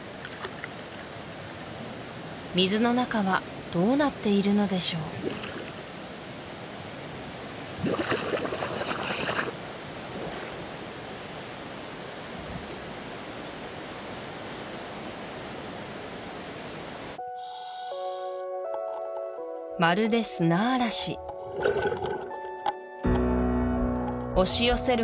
水の中はどうなっているのでしょうまるで砂嵐押し寄せる